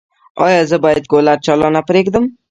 ایا زه باید کولر چالانه پریږدم؟